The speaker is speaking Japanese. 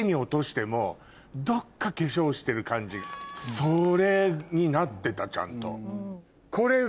それになってたちゃんと。